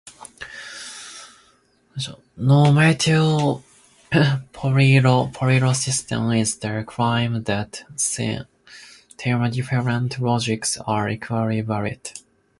Normative polylogism is the claim that these different logics are equally valid.